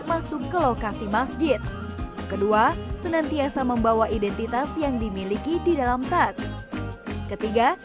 masuk ke lokasi masjid kedua senantiasa membawa identitas yang dimiliki di dalam tas ketiga